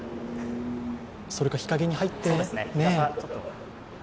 それか日陰に入ってね。